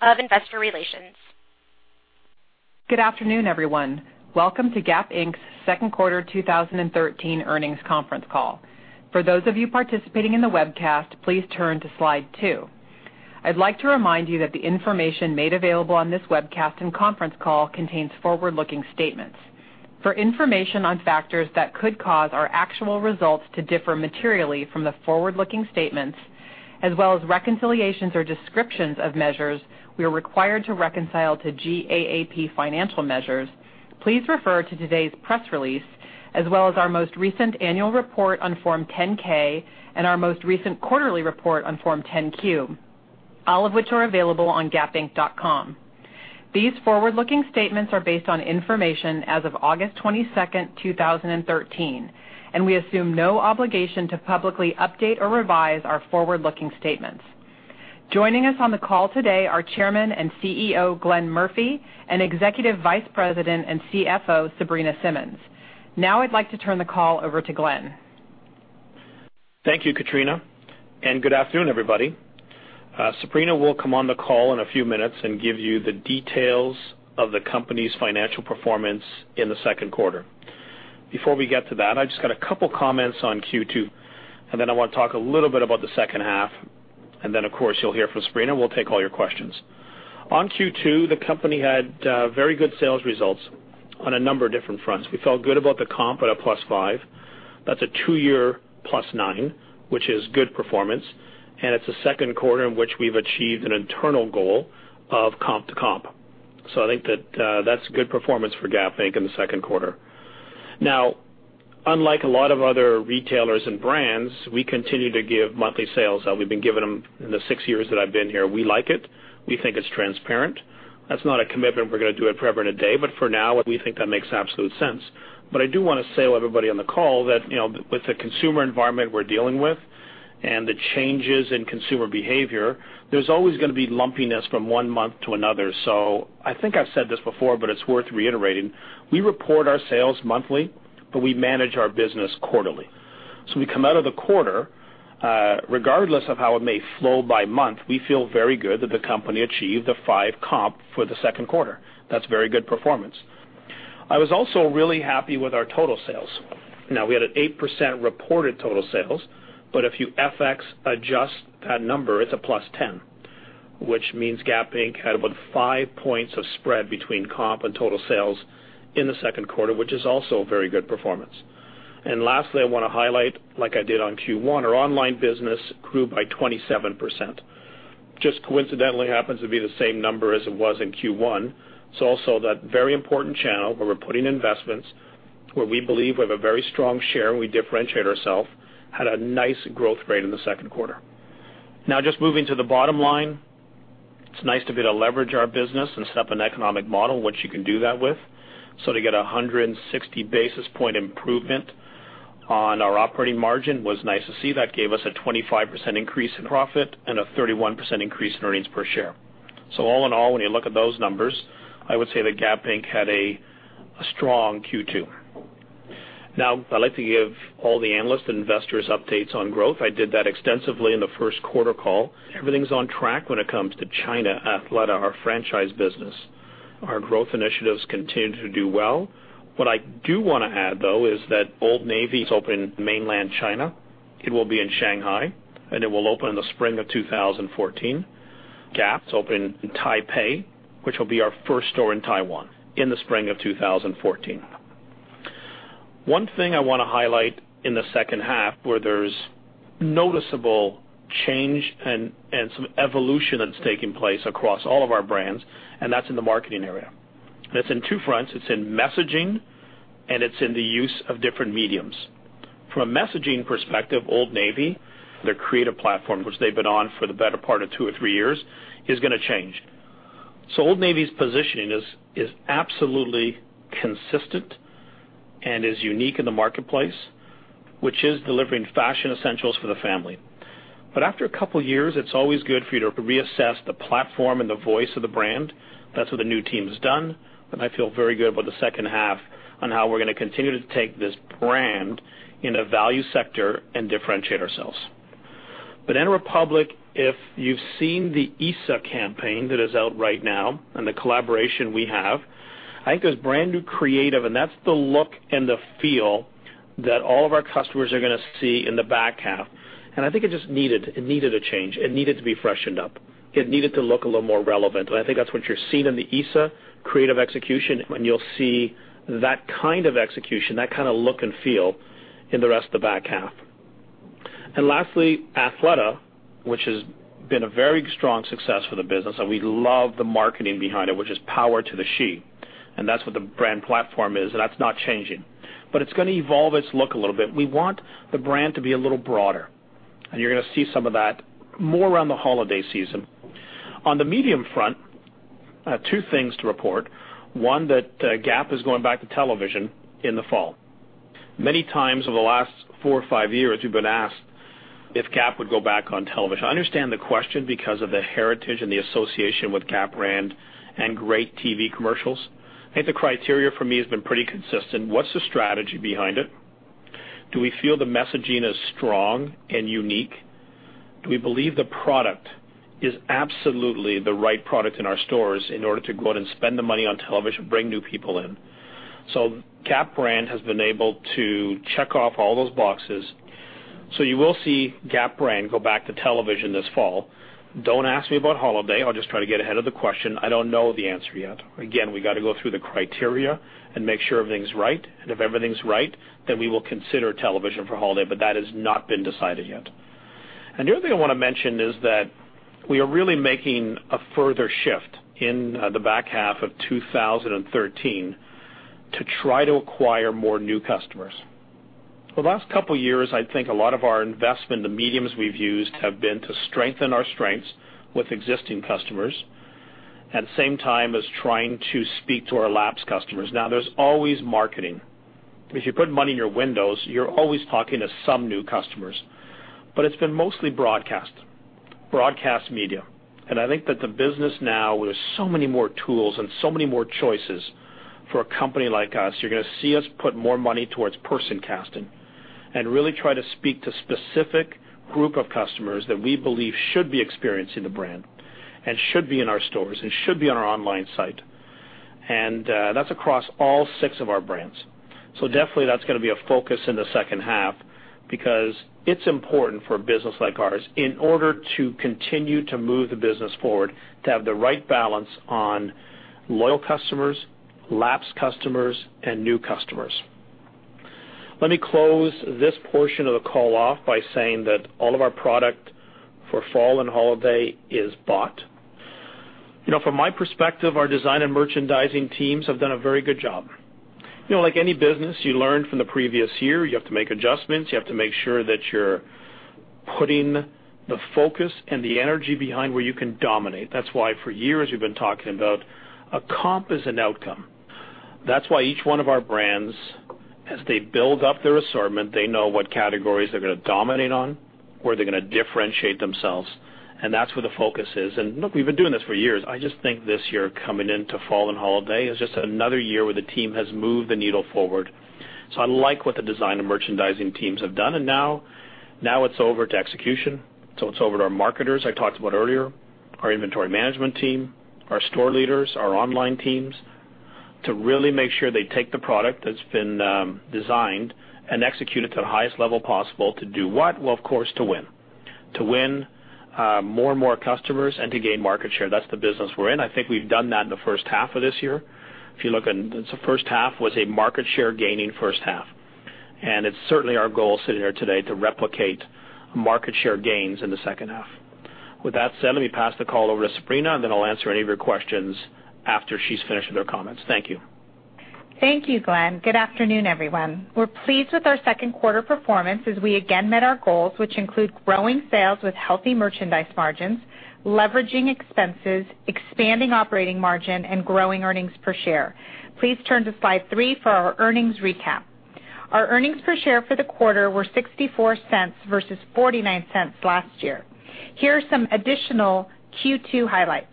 Of investor relations. Good afternoon, everyone. Welcome to Gap Inc.'s second quarter 2013 earnings conference call. For those of you participating in the webcast, please turn to slide two. I'd like to remind you that the information made available on this webcast and conference call contains forward-looking statements. For information on factors that could cause our actual results to differ materially from the forward-looking statements, as well as reconciliations or descriptions of measures we are required to reconcile to GAAP financial measures, please refer to today's press release, as well as our most recent annual report on Form 10-K and our most recent quarterly report on Form 10-Q, all of which are available on gapinc.com. These forward-looking statements are based on information as of August 22nd, 2013, we assume no obligation to publicly update or revise our forward-looking statements. Joining us on the call today are Chairman and CEO, Glenn Murphy, and Executive Vice President and CFO, Sabrina Simmons. I'd like to turn the call over to Glenn. Thank you, Katrina. Good afternoon, everybody. Sabrina will come on the call in a few minutes and give you the details of the company's financial performance in the second quarter. Before we get to that, I just got a couple of comments on Q2. I want to talk a little bit about the second half. Of course, you'll hear from Sabrina. We'll take all your questions. On Q2, the company had very good sales results on a number of different fronts. We felt good about the comp at a +5. That's a two-year +9, which is good performance, and it's the second quarter in which we've achieved an internal goal of comp to comp. I think that that's good performance for Gap Inc. in the second quarter. Unlike a lot of other retailers and brands, we continue to give monthly sales. We've been giving them in the six years that I've been here. We like it. We think it's transparent. That's not a commitment we're going to do it forever and a day, but for now, we think that makes absolute sense. I do want to say to everybody on the call that with the consumer environment we're dealing with and the changes in consumer behavior, there's always going to be lumpiness from one month to another. I think I've said this before, but it's worth reiterating. We report our sales monthly, but we manage our business quarterly. We come out of the quarter, regardless of how it may flow by month, we feel very good that the company achieved the five comp for the second quarter. That's very good performance. I was also really happy with our total sales. We had an 8% reported total sales, but if you FX adjust that number, it's a +10, which means Gap Inc. had about five points of spread between comp and total sales in the second quarter, which is also a very good performance. Lastly, I want to highlight, like I did on Q1, our online business grew by 27%. Just coincidentally happens to be the same number as it was in Q1. It's also that very important channel where we're putting investments, where we believe we have a very strong share, and we differentiate ourselves, had a nice growth rate in the second quarter. It's nice to be able to leverage our business and set up an economic model, which you can do that with. To get 160 basis point improvement on our operating margin was nice to see. That gave us a 25% increase in profit and a 31% increase in earnings per share. When you look at those numbers, I would say that Gap Inc. had a strong Q2. I'd like to give all the analysts and investors updates on growth. I did that extensively in the first quarter call. Everything's on track when it comes to China Athleta, our franchise business. Our growth initiatives continue to do well. Old Navy is open in mainland China. It will be in Shanghai, and it will open in the spring of 2014. Gap, it's open in Taipei, which will be our first store in Taiwan in the spring of 2014. One thing I want to highlight in the second half where there's noticeable change and some evolution that's taking place across all of our brands, and that's in the marketing area. It's in two fronts. It's in messaging, and it's in the use of different mediums. From a messaging perspective, Old Navy, their creative platform, which they've been on for the better part of two or three years, is going to change. Old Navy's positioning is absolutely consistent and is unique in the marketplace, which is delivering fashion essentials for the family. After a couple of years, it's always good for you to reassess the platform and the voice of the brand. That's what the new team has done, and I feel very good about the second half on how we're going to continue to take this brand in a value sector and differentiate ourselves. Banana Republic, if you've seen the Issa campaign that is out right now and the collaboration we have, I think there's brand new creative, and that's the look and the feel that all of our customers are going to see in the back half. I think it just needed a change. It needed to be freshened up. It needed to look a little more relevant, and I think that's what you're seeing in the Issa creative execution, and you'll see that kind of execution, that kind of look and feel in the rest of the back half. Lastly, Athleta, which has been a very strong success for the business, and we love the marketing behind it, which is Power to the She. That's what the brand platform is, and that's not changing. It's going to evolve its look a little bit. We want the brand to be a little broader, and you're going to see some of that more around the holiday season. On the medium front, two things to report. One, that Gap is going back to television in the fall. Many times over the last four or five years, we've been asked if Gap would go back on television. I understand the question because of the heritage and the association with Gap brand and great TV commercials. I think the criteria for me has been pretty consistent. What's the strategy behind it? Do we feel the messaging is strong and unique? Do we believe the product is absolutely the right product in our stores in order to go out and spend the money on television, bring new people in? Gap brand has been able to check off all those boxes. You will see Gap brand go back to television this fall. Don't ask me about holiday. I'll just try to get ahead of the question. I don't know the answer yet. Again, we got to go through the criteria and make sure everything's right. If everything's right, then we will consider television for holiday. That has not been decided yet. Another thing I want to mention is that we are really making a further shift in the back half of 2013 to try to acquire more new customers. For the last couple of years, I think a lot of our investment, the mediums we've used have been to strengthen our strengths with existing customers, at the same time as trying to speak to our lapsed customers. There's always marketing. If you put money in your windows, you're always talking to some new customers. It's been mostly broadcast. Broadcast media. I think that the business now, with so many more tools and so many more choices for a company like us, you're going to see us put more money towards narrowcasting and really try to speak to specific group of customers that we believe should be experiencing the brand and should be in our stores and should be on our online site. That's across all six of our brands. Definitely that's going to be a focus in the second half because it's important for a business like ours, in order to continue to move the business forward, to have the right balance on loyal customers, lapsed customers, and new customers. Let me close this portion of the call off by saying that all of our product for fall and holiday is bought. From my perspective, our design and merchandising teams have done a very good job. Like any business, you learn from the previous year. You have to make adjustments. You have to make sure that you're putting the focus and the energy behind where you can dominate. That's why for years we've been talking about a comp is an outcome. That's why each one of our brands, as they build up their assortment, they know what categories they're going to dominate on, where they're going to differentiate themselves, and that's where the focus is. Look, we've been doing this for years. I just think this year coming into fall and holiday is just another year where the team has moved the needle forward. I like what the design and merchandising teams have done, and now it's over to execution. It's over to our marketers I talked about earlier, our inventory management team, our store leaders, our online teams to really make sure they take the product that's been designed and execute it to the highest level possible to do what? Of course, to win. To win more and more customers and to gain market share. That's the business we're in. I think we've done that in the first half of this year. If you look at the first half was a market share gaining first half. It's certainly our goal sitting here today to replicate market share gains in the second half. With that said, let me pass the call over to Sabrina, then I'll answer any of your questions after she's finished with her comments. Thank you. Thank you, Glenn. Good afternoon, everyone. We're pleased with our second quarter performance as we again met our goals, which include growing sales with healthy merchandise margins, leveraging expenses, expanding operating margin, and growing earnings per share. Please turn to slide three for our earnings recap. Our earnings per share for the quarter were $0.64 versus $0.49 last year. Here are some additional Q2 highlights.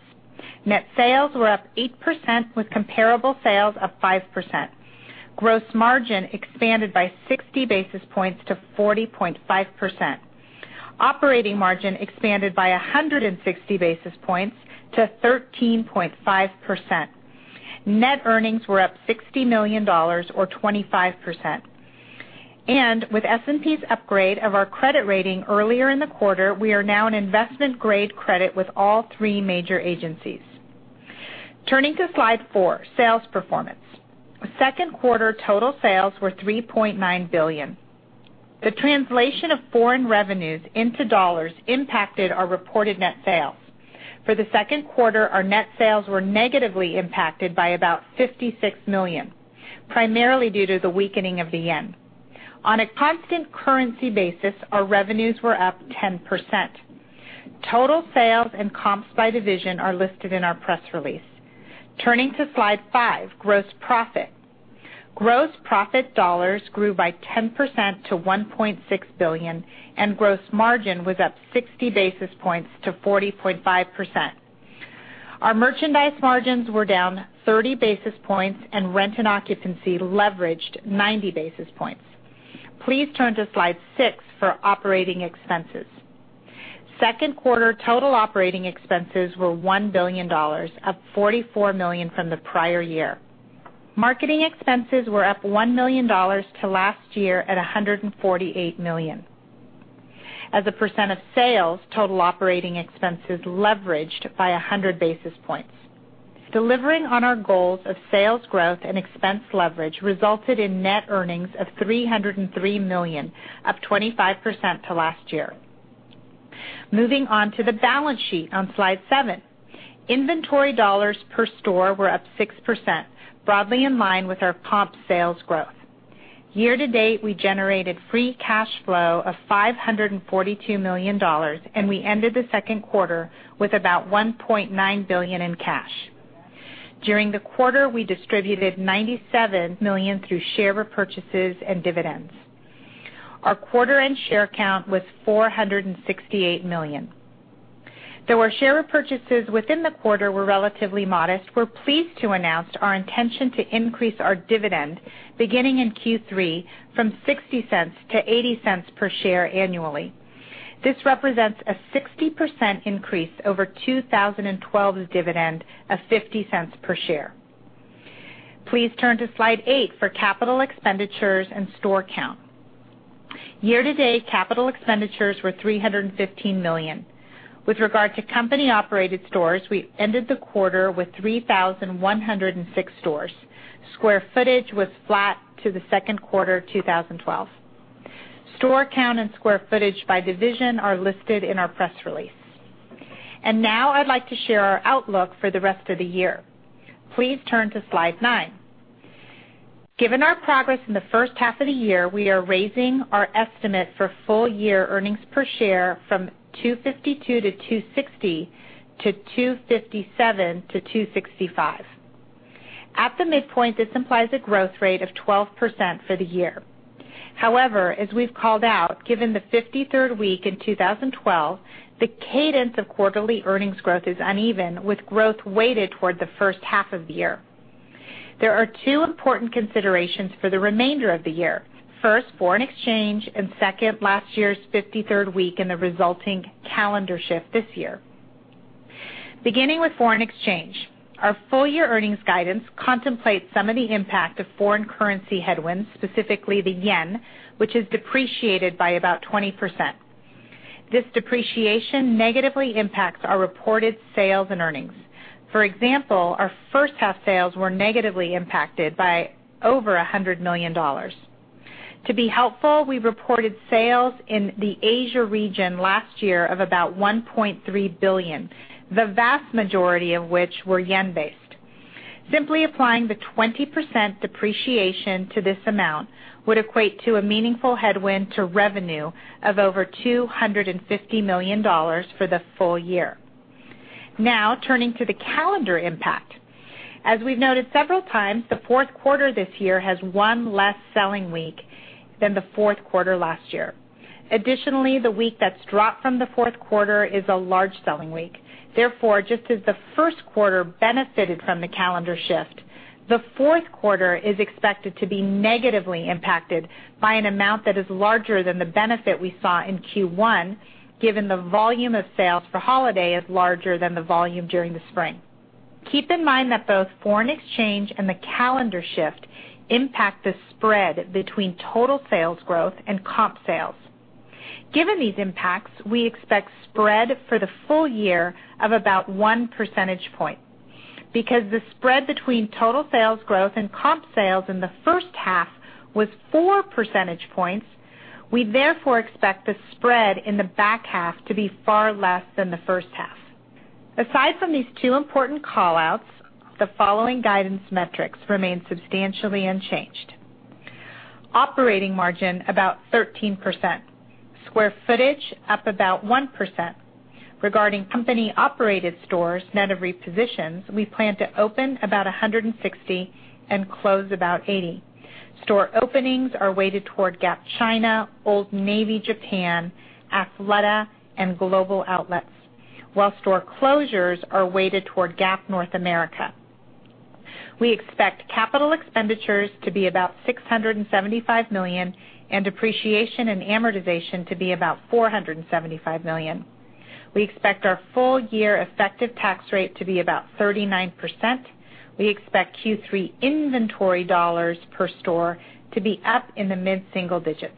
Net sales were up 8% with comparable sales up 5%. Gross margin expanded by 60 basis points to 40.5%. Operating margin expanded by 160 basis points to 13.5%. Net earnings were up $60 million or 25%. With S&P's upgrade of our credit rating earlier in the quarter, we are now an investment-grade credit with all three major agencies. Turning to slide four, sales performance. Second quarter total sales were $3.9 billion. The translation of foreign revenues into dollars impacted our reported net sales. For the second quarter, our net sales were negatively impacted by about $56 million, primarily due to the weakening of the yen. On a constant currency basis, our revenues were up 10%. Total sales and comps by division are listed in our press release. Turning to slide five, gross profit. Gross profit dollars grew by 10% to $1.6 billion, and gross margin was up 60 basis points to 40.5%. Our merchandise margins were down 30 basis points and rent and occupancy leveraged 90 basis points. Please turn to slide six for operating expenses. Second quarter total operating expenses were $1 billion, up $44 million from the prior year. Marketing expenses were up $1 million to last year at $148 million. As a percent of sales, total operating expenses leveraged by 100 basis points. Delivering on our goals of sales growth and expense leverage resulted in net earnings of $303 million, up 25% to last year. Moving on to the balance sheet on Slide seven. Inventory dollars per store were up 6%, broadly in line with our comp sales growth. Year to date, we generated free cash flow of $542 million, and we ended the second quarter with about $1.9 billion in cash. During the quarter, we distributed $97 million through share repurchases and dividends. Our quarter-end share count was 468 million. Though our share repurchases within the quarter were relatively modest, we're pleased to announce our intention to increase our dividend beginning in Q3 from $0.60 to $0.80 per share annually. This represents a 60% increase over 2012's dividend of $0.50 per share. Please turn to Slide eight for capital expenditures and store count. Year-to-date capital expenditures were $315 million. With regard to company-operated stores, we ended the quarter with 3,106 stores. Square footage was flat to the second quarter 2012. Store count and square footage by division are listed in our press release. Now I'd like to share our outlook for the rest of the year. Please turn to Slide nine. Given our progress in the first half of the year, we are raising our estimate for full-year earnings per share from $2.52 to $2.60 to $2.57 to $2.65. At the midpoint, this implies a growth rate of 12% for the year. However, as we've called out, given the 53rd week in 2012, the cadence of quarterly earnings growth is uneven, with growth weighted toward the first half of the year. There are two important considerations for the remainder of the year. First, foreign exchange, and second, last year's 53rd week and the resulting calendar shift this year. Beginning with foreign exchange, our full-year earnings guidance contemplates some of the impact of foreign currency headwinds, specifically the yen, which has depreciated by about 20%. This depreciation negatively impacts our reported sales and earnings. For example, our first half sales were negatively impacted by over $100 million. To be helpful, we reported sales in the Asia region last year of about $1.3 billion, the vast majority of which were yen based. Simply applying the 20% depreciation to this amount would equate to a meaningful headwind to revenue of over $250 million for the full year. Turning to the calendar impact. As we've noted several times, the fourth quarter this year has one less selling week than the fourth quarter last year. Additionally, the week that's dropped from the fourth quarter is a large selling week. Just as the first quarter benefited from the calendar shift, the fourth quarter is expected to be negatively impacted by an amount that is larger than the benefit we saw in Q1, given the volume of sales for holiday is larger than the volume during the spring. Keep in mind that both foreign exchange and the calendar shift impact the spread between total sales growth and comp sales. Given these impacts, we expect spread for the full year of about one percentage point. Because the spread between total sales growth and comp sales in the first half was four percentage points, we therefore expect the spread in the back half to be far less than the first half. Aside from these two important call-outs, the following guidance metrics remain substantially unchanged. Operating margin, about 13%. Square footage, up about 1%. Regarding company-operated stores net of repositions, we plan to open about 160 and close about 80. Store openings are weighted toward Gap China, Old Navy Japan, Athleta, and global outlets, while store closures are weighted toward Gap North America. We expect capital expenditures to be about $675 million and depreciation and amortization to be about $475 million. We expect our full-year effective tax rate to be about 39%. We expect Q3 inventory dollars per store to be up in the mid-single digits.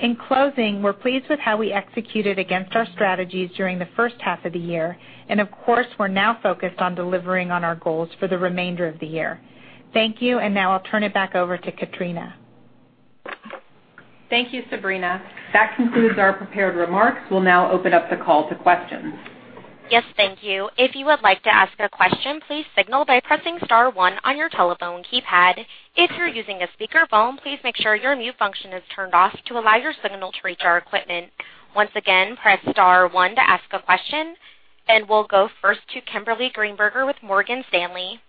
In closing, we're pleased with how we executed against our strategies during the first half of the year. Of course, we're now focused on delivering on our goals for the remainder of the year. Thank you, and now I'll turn it back over to Katrina. Thank you, Sabrina. That concludes our prepared remarks. We'll now open up the call to questions. Yes, thank you. If you would like to ask a question, please signal by pressing *1 on your telephone keypad. If you're using a speakerphone, please make sure your mute function is turned off to allow your signal to reach our equipment. Once again, press *1 to ask a question. We'll go first to Kimberly Greenberger with Morgan Stanley.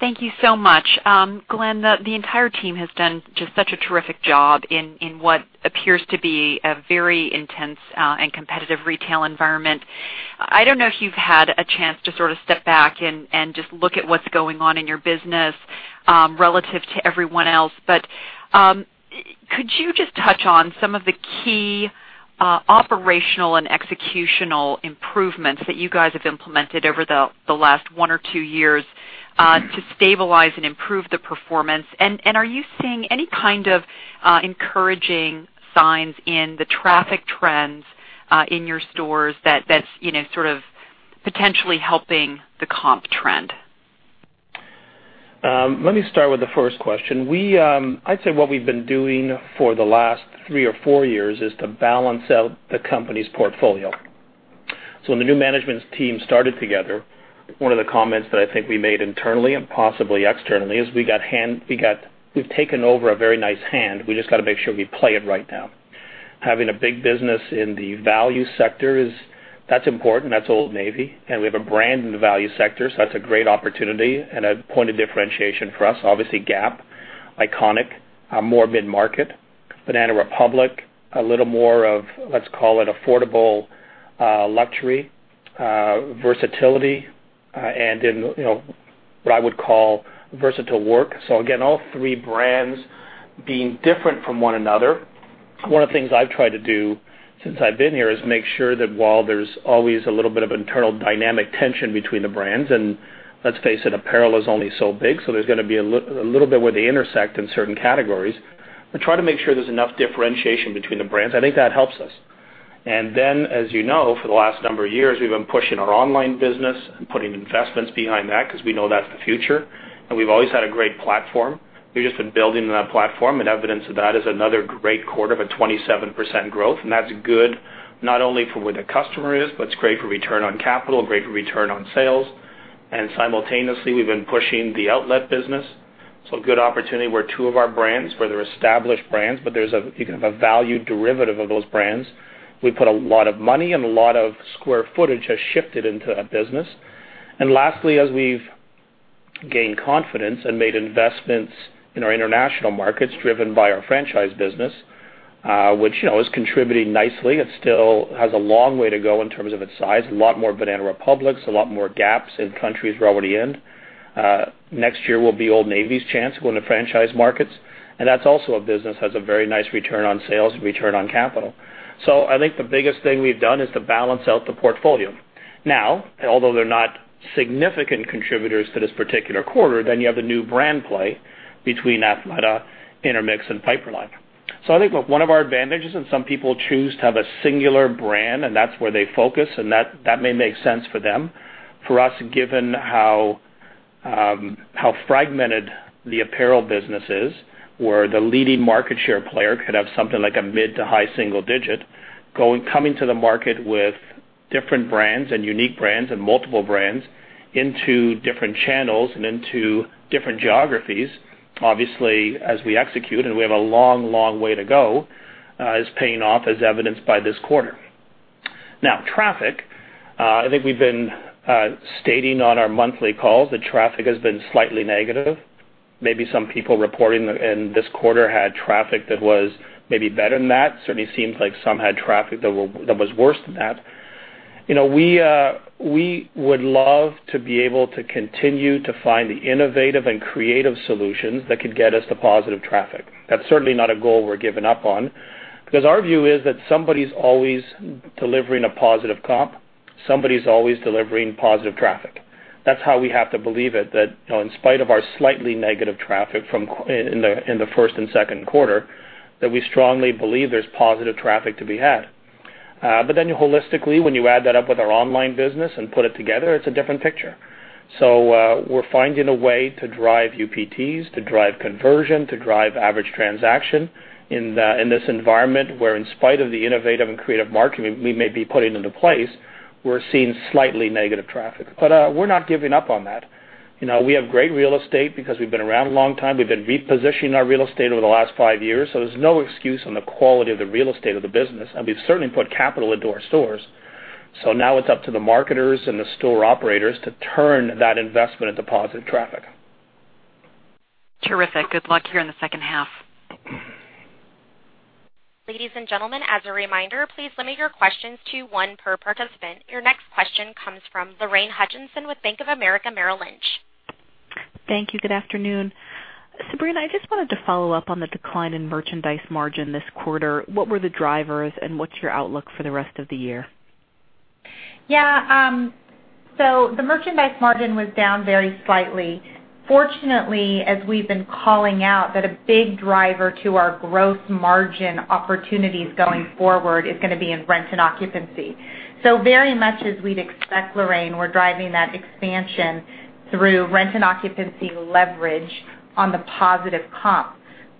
Thank you so much. Glenn, the entire team has done just such a terrific job in what appears to be a very intense and competitive retail environment. I don't know if you've had a chance to sort of step back and just look at what's going on in your business relative to everyone else. Could you just touch on some of the key operational and executional improvements that you guys have implemented over the last one or two years to stabilize and improve the performance? Are you seeing any kind of encouraging signs in the traffic trends in your stores that's sort of potentially helping the comp trend? Let me start with the first question. I'd say what we've been doing for the last three or four years is to balance out the company's portfolio. When the new management team started together, one of the comments that I think we made internally and possibly externally, is we've taken over a very nice hand. We just got to make sure we play it right now. Having a big business in the value sector, that's important. That's Old Navy. We have a brand in the value sector, so that's a great opportunity and a point of differentiation for us. Obviously, Gap Iconic, more mid-market. Banana Republic, a little more of, let's call it affordable luxury, versatility, and in what I would call versatile work. Again, all three brands being different from one another. One of the things I've tried to do since I've been here is make sure that while there's always a little bit of internal dynamic tension between the brands, and let's face it, apparel is only so big, so there's going to be a little bit where they intersect in certain categories. I try to make sure there's enough differentiation between the brands. I think that helps us. As you know, for the last number of years, we've been pushing our online business and putting investments behind that because we know that's the future. We've always had a great platform. We've just been building that platform, evidence of that is another great quarter of a 27% growth. That's good not only for where the customer is, but it's great for return on capital, great for return on sales. Simultaneously, we've been pushing the outlet business. A good opportunity where two of our brands, where they're established brands, but there's a value derivative of those brands. We put a lot of money and a lot of square footage has shifted into that business. Lastly, as we've gained confidence and made investments in our international markets driven by our franchise business, which is contributing nicely. It still has a long way to go in terms of its size. A lot more Banana Republics, a lot more Gaps in countries we're already in. Next year will be Old Navy's chance to go in the franchise markets, that's also a business that has a very nice return on sales and return on capital. I think the biggest thing we've done is to balance out the portfolio. Now, although they're not significant contributors to this particular quarter, you have the new brand play between Athleta, Intermix, and Piperlime. I think one of our advantages, some people choose to have a singular brand, and that's where they focus, and that may make sense for them. For us, given how fragmented the apparel business is, where the leading market share player could have something like a mid to high single digit, coming to the market with different brands and unique brands and multiple brands into different channels and into different geographies. Traffic. I think we've been stating on our monthly calls that traffic has been slightly negative. Maybe some people reporting in this quarter had traffic that was maybe better than that. Certainly seems like some had traffic that was worse than that. We would love to be able to continue to find the innovative and creative solutions that could get us to positive traffic. That's certainly not a goal we're giving up on, because our view is that somebody's always delivering a positive comp. Somebody's always delivering positive traffic. That's how we have to believe it, that in spite of our slightly negative traffic in the first and second quarter, that we strongly believe there's positive traffic to be had. Holistically, when you add that up with our online business and put it together, it's a different picture. We're finding a way to drive UPT, to drive conversion, to drive average transaction in this environment where in spite of the innovative and creative marketing we may be putting into place, we're seeing slightly negative traffic. We're not giving up on that. We have great real estate because we've been around a long time. We've been repositioning our real estate over the last five years. There's no excuse on the quality of the real estate of the business, and we've certainly put capital into our stores. Now it's up to the marketers and the store operators to turn that investment into positive traffic. Terrific. Good luck here in the second half. Ladies and gentlemen, as a reminder, please limit your questions to one per participant. Your next question comes from Lorraine Hutchinson with Bank of America Merrill Lynch. Thank you. Good afternoon. Sabrina, I just wanted to follow up on the decline in merchandise margin this quarter. What were the drivers, and what's your outlook for the rest of the year? Yeah. The merchandise margin was down very slightly. Fortunately, as we've been calling out, that a big driver to our gross margin opportunities going forward is going to be in rent and occupancy. Very much as we'd expect, Lorraine, we're driving that expansion through rent and occupancy leverage on the positive comp.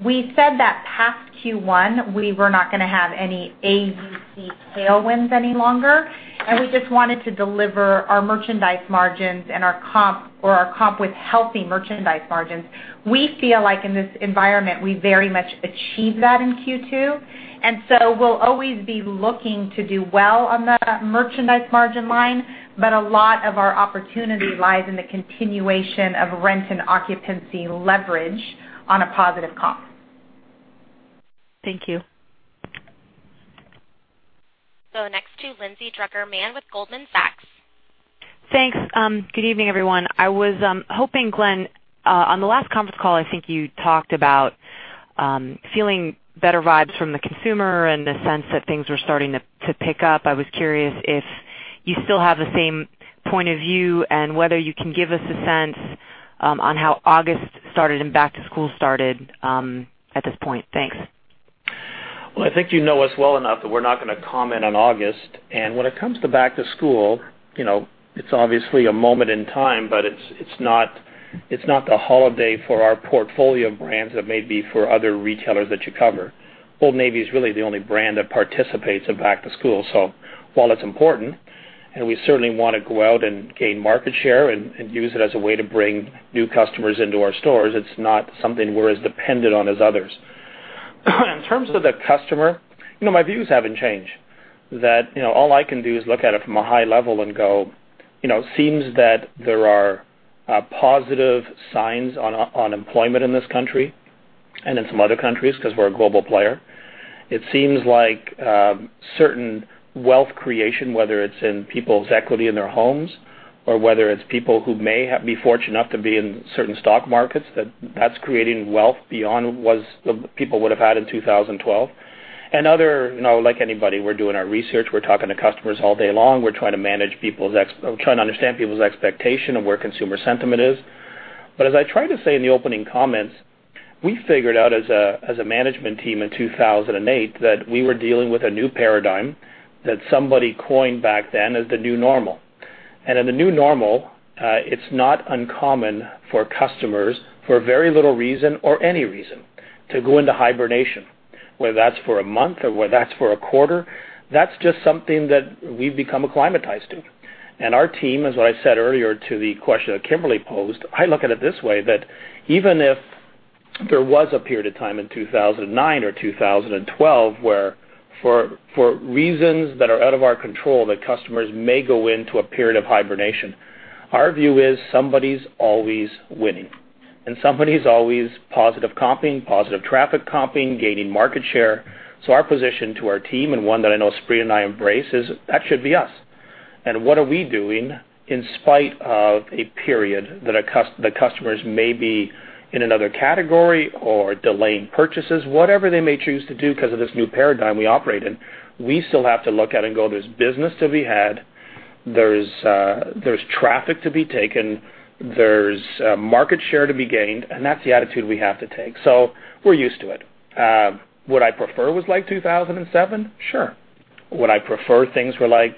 We said that past Q1, we were not going to have any AUC tailwinds any longer, and we just wanted to deliver our merchandise margins or our comp with healthy merchandise margins. We feel like in this environment, we very much achieved that in Q2. We'll always be looking to do well on the merchandise margin line, but a lot of our opportunity lies in the continuation of rent and occupancy leverage on a positive comp. Thank you. Next to Lindsay Drucker Mann with Goldman Sachs. Thanks. Good evening, everyone. I was hoping, Glenn, on the last conference call, I think you talked about feeling better vibes from the consumer and the sense that things were starting to pick up. I was curious if you still have the same point of view and whether you can give us a sense on how August started and back-to-school started at this point. Thanks. Well, I think you know us well enough that we're not going to comment on August. When it comes to back-to-school, it's obviously a moment in time, but it's not the holiday for our portfolio brands that may be for other retailers that you cover. Old Navy is really the only brand that participates in back-to-school. While it's important, and we certainly want to go out and gain market share and use it as a way to bring new customers into our stores, it's not something we're as dependent on as others. In terms of the customer, my views haven't changed. That all I can do is look at it from a high level and go, "Seems that there are positive signs on employment in this country and in some other countries," because we're a global player. It seems like certain wealth creation, whether it's in people's equity in their homes or whether it's people who may be fortunate enough to be in certain stock markets, that that's creating wealth beyond what people would have had in 2012. Other, like anybody, we're doing our research, we're talking to customers all day long. We're trying to understand people's expectation of where consumer sentiment is. As I tried to say in the opening comments, we figured out as a management team in 2008 that we were dealing with a new paradigm that somebody coined back then as the new normal. In the new normal, it's not uncommon for customers, for very little reason or any reason, to go into hibernation. Whether that's for a month or whether that's for a quarter, that's just something that we've become acclimatized to. Our team, as what I said earlier to the question that Kimberly posed, I look at it this way, that even if there was a period of time in 2009 or 2012 where for reasons that are out of our control, that customers may go into a period of hibernation. Our view is somebody's always winning, and somebody's always positive comping, positive traffic comping, gaining market share. Our position to our team, and one that I know Sri and I embrace is, that should be us. What are we doing in spite of a period that the customers may be in another category or delaying purchases, whatever they may choose to do because of this new paradigm we operate in. We still have to look at it and go, there's business to be had. There's traffic to be taken. There's market share to be gained, and that's the attitude we have to take. We're used to it. Would I prefer it was like 2007? Sure. Would I prefer things were like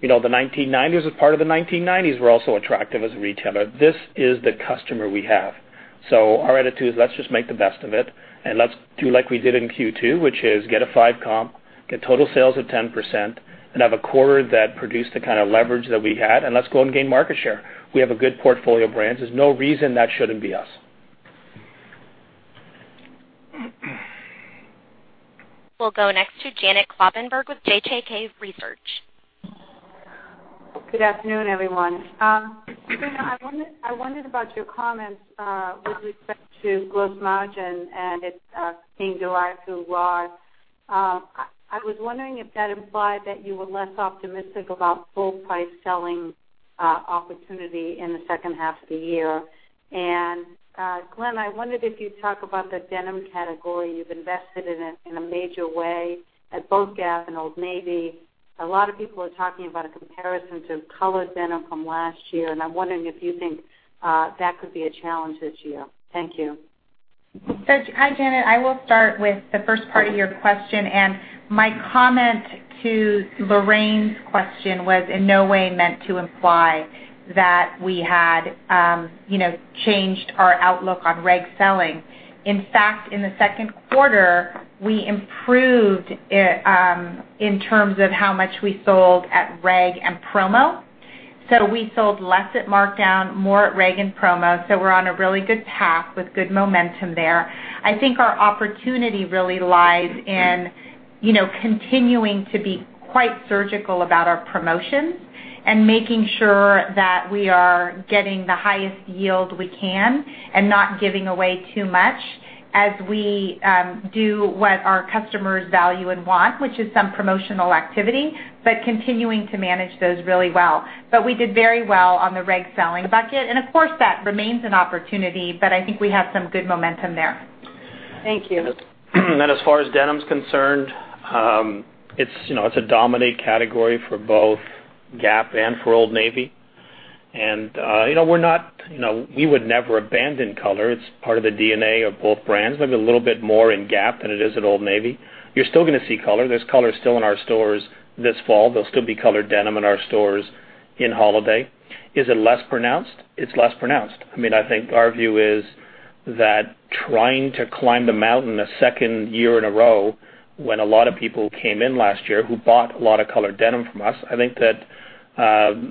the 1990s? As part of the 1990s, we're also attractive as a retailer. This is the customer we have. Our attitude is, let's just make the best of it, and let's do like we did in Q2, which is get a five comp, get total sales of 10%, and have a quarter that produced the kind of leverage that we had, and let's go and gain market share. We have a good portfolio of brands. There's no reason that shouldn't be us. We'll go next to Janet Kloppenburg with JJK Research. Good afternoon, everyone. Sabrina, I wondered about your comments with respect to gross margin, and it being July threw it off. I was wondering if that implied that you were less optimistic about full price selling opportunity in the second half of the year. Glenn, I wondered if you'd talk about the denim category. You've invested in it in a major way at both Gap and Old Navy. A lot of people are talking about a comparison to colored denim from last year, and I'm wondering if you think that could be a challenge this year. Thank you. Hi, Janet. I will start with the first part of your question, my comment to Lorraine's question was in no way meant to imply that we had changed our outlook on reg selling. In fact, in the second quarter, we improved in terms of how much we sold at reg and promo. We sold less at markdown, more at reg and promo. We're on a really good path with good momentum there. I think our opportunity really lies in continuing to be quite surgical about our promotions and making sure that we are getting the highest yield we can and not giving away too much as we do what our customers value and want, which is some promotional activity, but continuing to manage those really well. We did very well on the reg selling bucket, and of course, that remains an opportunity, but I think we have some good momentum there. Thank you. As far as denim is concerned, it's a dominant category for both Gap and for Old Navy. We would never abandon color. It's part of the DNA of both brands. Maybe a little bit more in Gap than it is at Old Navy. You're still going to see color. There's color still in our stores this fall. There'll still be colored denim in our stores in holiday. Is it less pronounced? It's less pronounced. I think our view is that trying to climb the mountain a second year in a row when a lot of people came in last year who bought a lot of colored denim from us. I think that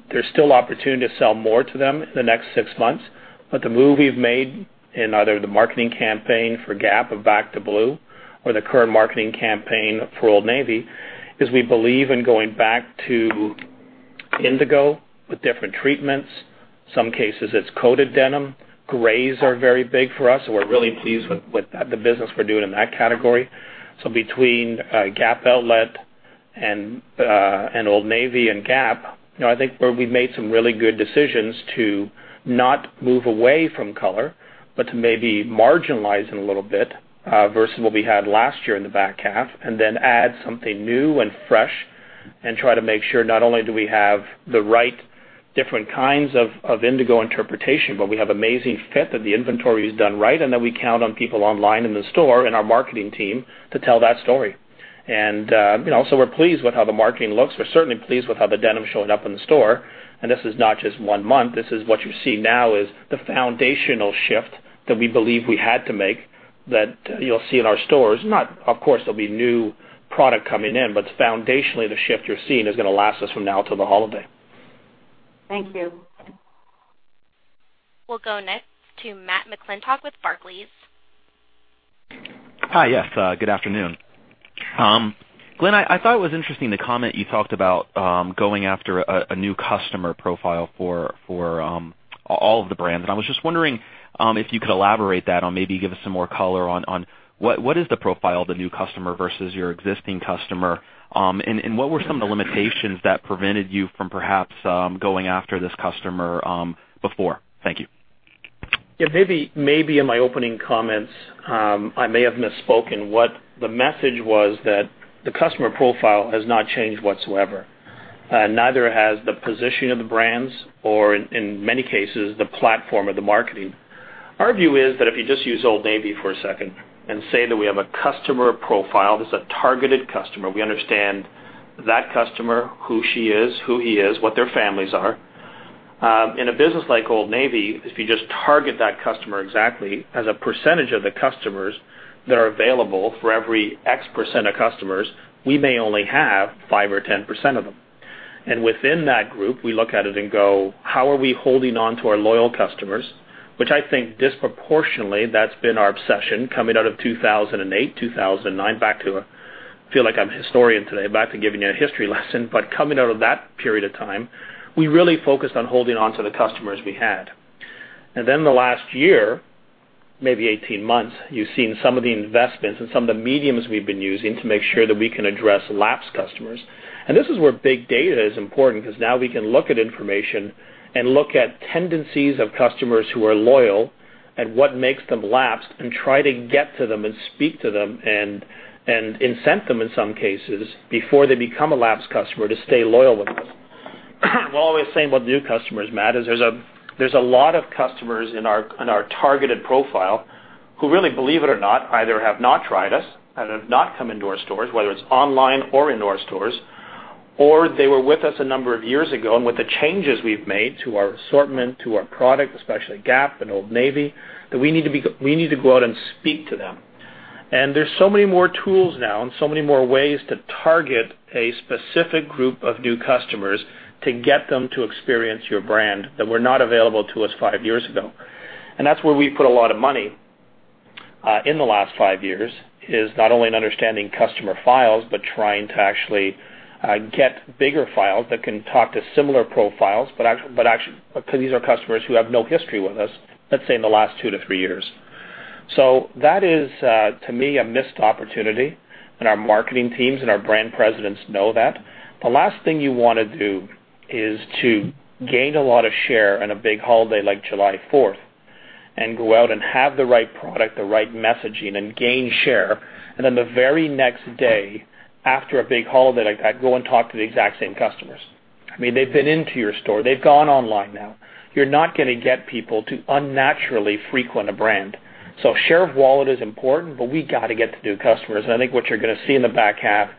there's still opportunity to sell more to them in the next six months. The move we've made in either the marketing campaign for Gap of Back to Blue or the current marketing campaign for Old Navy, is we believe in going back to indigo with different treatments. Some cases, it's coated denim. Grays are very big for us. We're really pleased with the business we're doing in that category. Between Gap Outlet and Old Navy and Gap, I think where we've made some really good decisions to not move away from color, but to maybe marginalize it a little bit versus what we had last year in the back half, and then add something new and fresh and try to make sure not only do we have the right different kinds of indigo interpretation, but we have amazing fit, that the inventory is done right, and that we count on people online in the store, and our marketing team to tell that story. We're pleased with how the marketing looks. We're certainly pleased with how the denim is showing up in the store. This is not just one month. This is what you see now is the foundational shift that we believe we had to make that you'll see in our stores. Of course, there'll be new product coming in, but foundationally, the shift you're seeing is going to last us from now till the holiday. Thank you. We'll go next to Matthew McClintock with Barclays. Hi. Yes. Good afternoon. Glenn, I thought it was interesting, the comment you talked about going after a new customer profile for all of the brands. I was just wondering if you could elaborate that or maybe give us some more color on what is the profile of the new customer versus your existing customer. What were some of the limitations that prevented you from perhaps going after this customer before? Thank you. Yeah. Maybe in my opening comments, I may have misspoken. What the message was that the customer profile has not changed whatsoever. Neither has the position of the brands or, in many cases, the platform or the marketing. Our view is that if you just use Old Navy for a second and say that we have a customer profile, this is a targeted customer. We understand that customer, who she is, who he is, what their families are. In a business like Old Navy, if you just target that customer exactly as a percentage of the customers that are available for every X percent of customers, we may only have five or 10% of them. Within that group, we look at it and go, "How are we holding on to our loyal customers?" Which I think disproportionately, that's been our obsession coming out of 2008, 2009, feel like I'm a historian today, back to giving you a history lesson, coming out of that period of time, we really focused on holding on to the customers we had. Then the last year, maybe 18 months, you've seen some of the investments and some of the mediums we've been using to make sure that we can address lapsed customers. This is where big data is important, because now we can look at information and look at tendencies of customers who are loyal and what makes them lapsed and try to get to them and speak to them and incent them in some cases before they become a lapsed customer to stay loyal with us. While we're saying about new customers, Matt, is there's a lot of customers in our targeted profile who really, believe it or not, either have not tried us and have not come into our stores, whether it's online or into our stores, or they were with us a number of years ago. With the changes we've made to our assortment, to our product, especially Gap and Old Navy, that we need to go out and speak to them. There's so many more tools now and so many more ways to target a specific group of new customers to get them to experience your brand that were not available to us five years ago. That's where we put a lot of money in the last five years, is not only in understanding customer files, but trying to actually get bigger files that can talk to similar profiles, because these are customers who have no history with us, let's say, in the last two to three years. That is, to me, a missed opportunity. Our marketing teams and our brand presidents know that. The last thing you want to do is to gain a lot of share on a big holiday like July 4th and go out and have the right product, the right messaging, and gain share, then the very next day, after a big holiday like that, go and talk to the exact same customers. They've been into your store. They've gone online now. You're not going to get people to unnaturally frequent a brand. Share of wallet is important, but we got to get to new customers. I think what you're going to see in the back half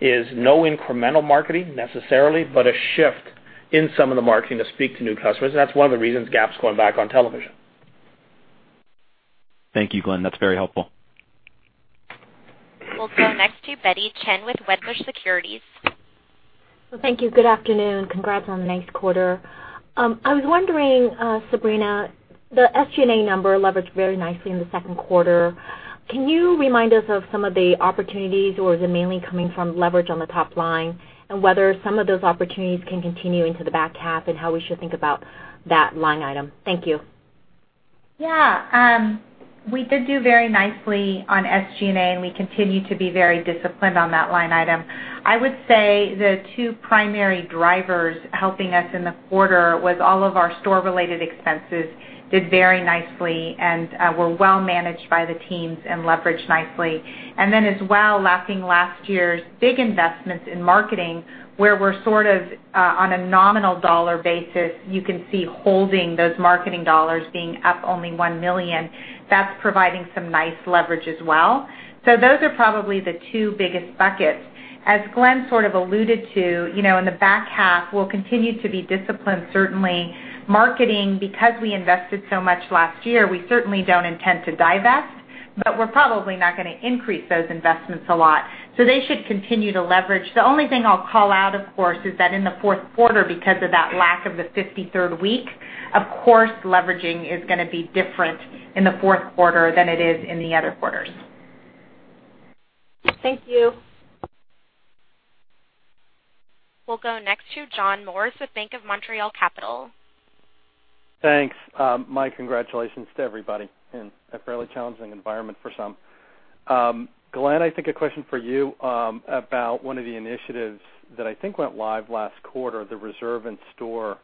is no incremental marketing necessarily, but a shift in some of the marketing to speak to new customers. That's one of the reasons Gap's going back on television. Thank you, Glenn. That's very helpful. We'll go next to Betty Chen with Wedbush Securities. Thank you. Good afternoon. Congrats on a nice quarter. I was wondering, Sabrina, the SG&A number leveraged very nicely in the second quarter. Can you remind us of some of the opportunities, or is it mainly coming from leverage on the top line? And whether some of those opportunities can continue into the back half, and how we should think about that line item. Thank you. Yeah. We did do very nicely on SG&A, and we continue to be very disciplined on that line item. I would say the two primary drivers helping us in the quarter was all of our store-related expenses did very nicely and were well managed by the teams and leveraged nicely. And then as well, lapping last year's big investments in marketing, where we're sort of on a nominal dollar basis, you can see holding those marketing dollars being up only $1 million. Those are providing some nice leverage as well. So those are probably the two biggest buckets. As Glenn sort of alluded to, in the back half, we'll continue to be disciplined, certainly. Marketing, because we invested so much last year, we certainly don't intend to divest, but we're probably not going to increase those investments a lot. So they should continue to leverage. The only thing I'll call out, of course, is that in the fourth quarter, because of that lack of the 53rd week, of course, leveraging is going to be different in the fourth quarter than it is in the other quarters. Thank you. We'll go next to John Morris with BMO Capital Markets. Thanks. My congratulations to everybody in a fairly challenging environment for some. Glenn, I think a question for you about one of the initiatives that I think went live last quarter, the Reserve in Store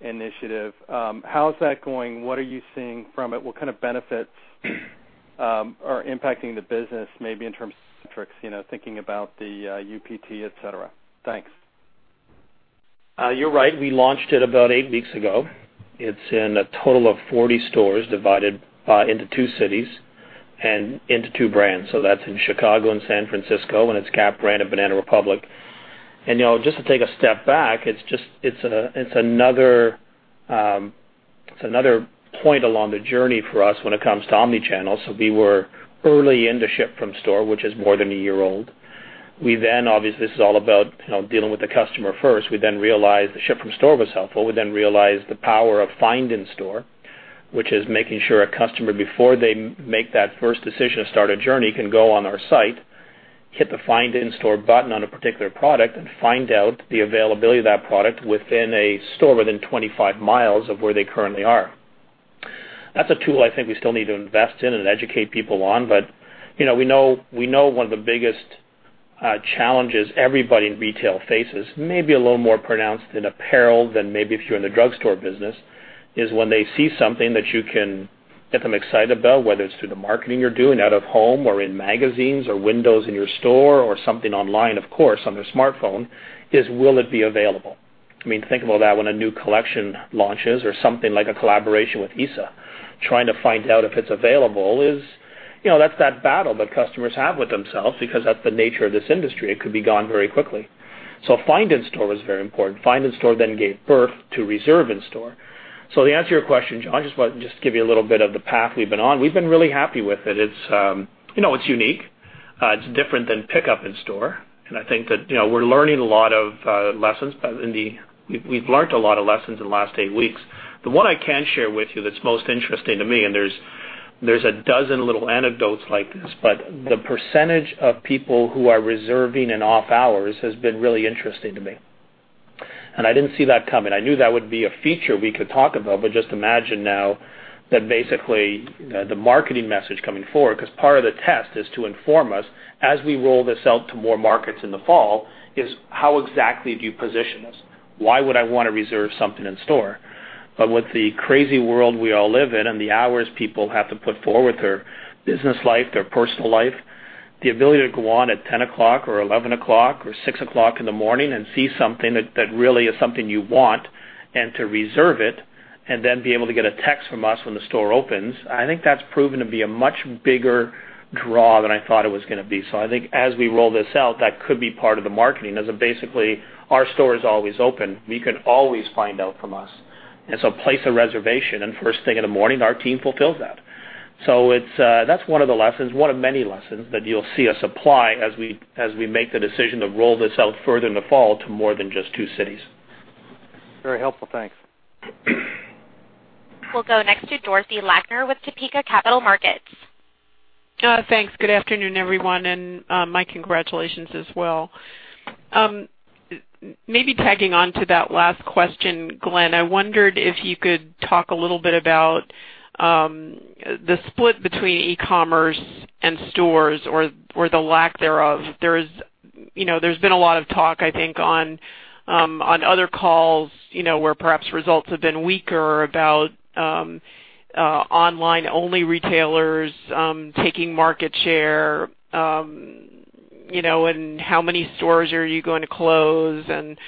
initiative. How is that going? What are you seeing from it? What kind of benefits are impacting the business, maybe in terms of metrics, thinking about the UPT, et cetera. Thanks. You're right. We launched it about eight weeks ago. It's in a total of 40 stores divided into two cities and into two brands. That's in Chicago and San Francisco, and it's Gap brand and Banana Republic. Just to take a step back, it's another point along the journey for us when it comes to omnichannel. We were early in the Ship From Store, which is more than a year old. We obviously, this is all about dealing with the customer first. We realized the Ship From Store was helpful. We realized the power of Find in Store, which is making sure a customer, before they make that first decision to start a journey, can go on our site, hit the Find in Store button on a particular product and find out the availability of that product within a store within 25 miles of where they currently are. That's a tool I think we still need to invest in and educate people on. We know one of the biggest challenges everybody in retail faces, maybe a little more pronounced in apparel than maybe if you're in the drugstore business, is when they see something that you can get them excited about, whether it's through the marketing you're doing out of home or in magazines or windows in your store or something online, of course, on their smartphone, is will it be available. Think about that when a new collection launches or something like a collaboration with Issa. Trying to find out if it's available, that's that battle that customers have with themselves because that's the nature of this industry. It could be gone very quickly. Find in Store was very important. Find in Store gave birth to Reserve in Store. To answer your question, John, I just want to just give you a little bit of the path we've been on. We've been really happy with it. It's unique. It's different than pickup in store. I think that we're learning a lot of lessons, but we've learned a lot of lessons in the last eight weeks. The one I can share with you that's most interesting to me, there's a dozen little anecdotes like this, but the percentage of people who are reserving in off hours has been really interesting to me. I didn't see that coming. I knew that would be a feature we could talk about. Just imagine now that basically the marketing message coming forward, because part of the test is to inform us as we roll this out to more markets in the fall, is how exactly do you position this? Why would I want to reserve something in store? With the crazy world we all live in and the hours people have to put forward their business life, their personal life, the ability to go on at 10:00 or 11:00 or 6:00 in the morning and see something that really is something you want and to reserve it and then be able to get a text from us when the store opens, I think that's proven to be a much bigger draw than I thought it was going to be. I think as we roll this out, that could be part of the marketing as basically our store is always open. You can always find out from us. Place a reservation and first thing in the morning, our team fulfills that. That's one of the lessons, one of many lessons that you'll see us apply as we make the decision to roll this out further in the fall to more than just two cities. Very helpful. Thanks. We'll go next to Dorothy Lakner with Topeka Capital Markets. Thanks. Good afternoon, everyone, and my congratulations as well. Maybe tagging on to that last question, Glenn, I wondered if you could talk a little bit about the split between e-commerce and stores or the lack thereof. There's been a lot of talk, I think, on other calls, where perhaps results have been weaker about online-only retailers taking market share and how many stores are you going to close and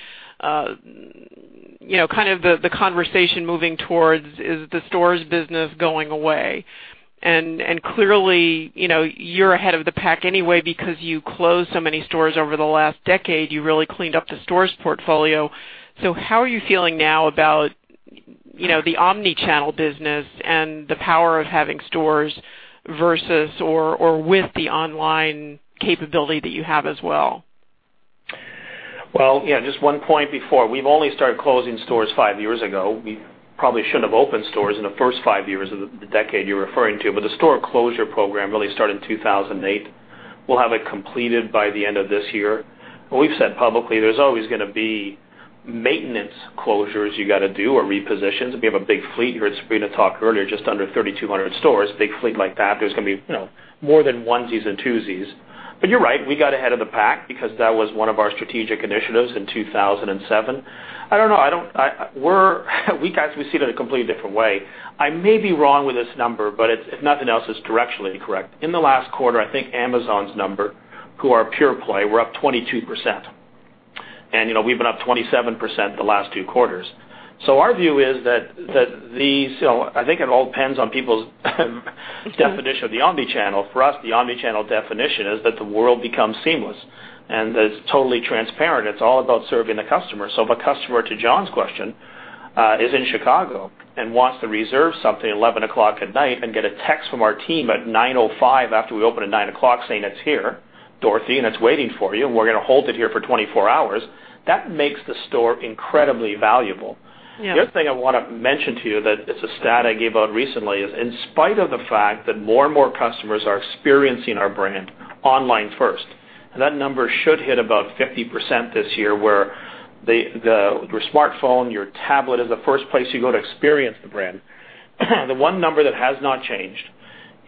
kind of the conversation moving towards, is the stores business going away? Clearly, you're ahead of the pack anyway because you closed so many stores over the last decade. You really cleaned up the stores portfolio. How are you feeling now about the omnichannel business and the power of having stores versus or with the online capability that you have as well? Well, yeah, just one point before. We've only started closing stores five years ago. We probably shouldn't have opened stores in the first five years of the decade you're referring to. The store closure program really started in 2008. We'll have it completed by the end of this year. We've said publicly there's always going to be maintenance closures you got to do or repositions. We have a big fleet. You heard Sabrina talk earlier, just under 3,200 stores. Big fleet like that, there's going to be more than onesies and twosies. You're right, we got ahead of the pack because that was one of our strategic initiatives in 2007. I don't know. We see it in a completely different way. I may be wrong with this number, but if nothing else, it's directionally incorrect. In the last quarter, I think Amazon's number, who are pure play, were up 22%. We've been up 27% the last two quarters. I think it all depends on people's definition of the omnichannel. For us, the omnichannel definition is that the world becomes seamless and is totally transparent. It's all about serving the customer. If a customer, to John's question, is in Chicago and wants to reserve something at 11:00 at night and get a text from our team at 9:05 after we open at 9:00 saying, "It's here, Dorothy, and it's waiting for you, and we're going to hold it here for 24 hours," that makes the store incredibly valuable. Yeah. The other thing I want to mention to you that it's a stat I gave out recently, is in spite of the fact that more and more customers are experiencing our brand online first, that number should hit about 50% this year, where your smartphone, your tablet is the first place you go to experience the brand. The one number that has not changed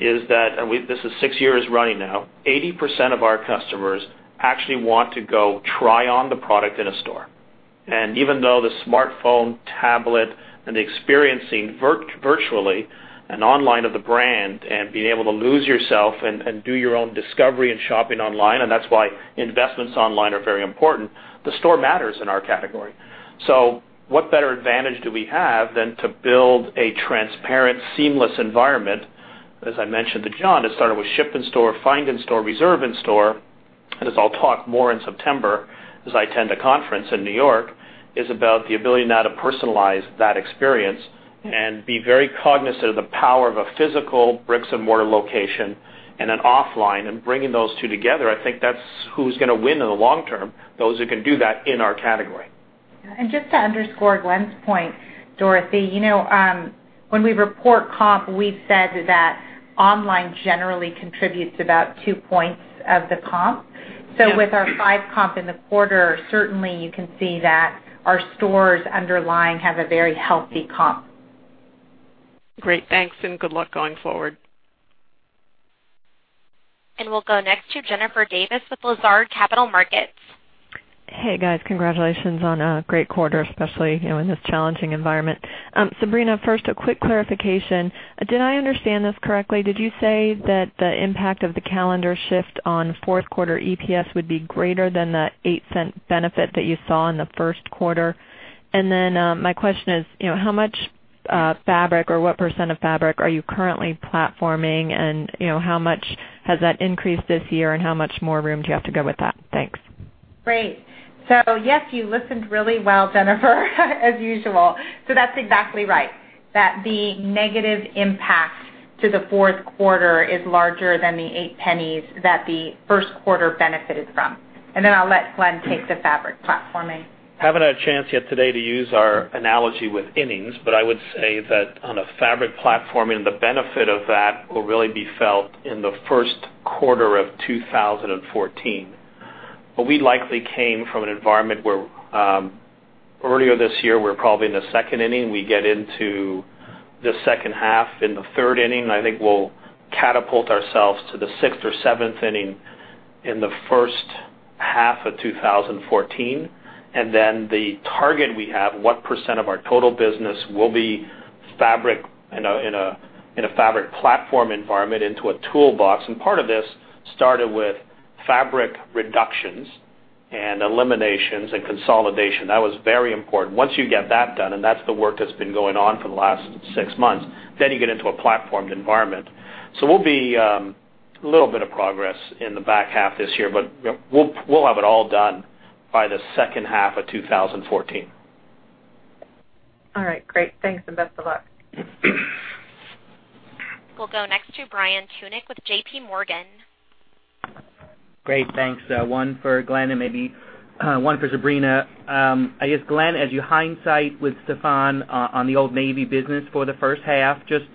is that, this is six years running now, 80% of our customers actually want to go try on the product in a store. Even though the smartphone, tablet, and experiencing virtually and online of the brand and being able to lose yourself and do your own discovery and shopping online, and that's why investments online are very important, the store matters in our category. What better advantage do we have than to build a transparent, seamless environment, as I mentioned to John, that started with Ship in Store, Find in Store, Reserve in Store, and as I'll talk more in September, as I attend a conference in New York, is about the ability now to personalize that experience and be very cognizant of the power of a physical bricks and mortar location and an offline and bringing those two together. I think that's who's going to win in the long term, those who can do that in our category. Just to underscore Glenn's point, Dorothy, when we report comp, we've said that online generally contributes about two points of the comp. Yes. With our five comp in the quarter, certainly you can see that our stores underlying have a very healthy comp. Great. Thanks, and good luck going forward. We'll go next to Jennifer Davis with Lazard Capital Markets. Hey, guys. Congratulations on a great quarter, especially in this challenging environment. Sabrina, first, a quick clarification. Did I understand this correctly? Did you say that the impact of the calendar shift on fourth quarter EPS would be greater than the $0.08 benefit that you saw in the first quarter? My question is, how much fabric or what % of fabric are you currently platforming? How much has that increased this year, and how much more room do you have to go with that? Thanks. Yes, you listened really well, Jennifer, as usual. That's exactly right, that the negative impact to the fourth quarter is larger than the $0.08 that the first quarter benefited from. Then I'll let Glenn take the fabric platforming. Haven't had a chance yet today to use our analogy with innings, I would say that on a fabric platforming, the benefit of that will really be felt in the first quarter of 2014. We likely came from an environment where, earlier this year, we're probably in the 2nd inning. We get into the second half in the 3rd inning. I think we'll catapult ourselves to the 6th or 7th inning in the first half of 2014. Then the target we have, what % of our total business will be fabric in a fabric platform environment into a toolbox. Part of this started with fabric reductions and eliminations and consolidation. That was very important. Once you get that done, that's the work that's been going on for the last six months, you get into a platformed environment. We'll be a little bit of progress in the back half this year, we'll have it all done by the second half of 2014. All right, great. Thanks, best of luck. We'll go next to Brian Tunick with JPMorgan. Great, thanks. One for Glenn and maybe one for Sabrina. I guess, Glenn, as you hindsight with Stefan on the Old Navy business for the first half, just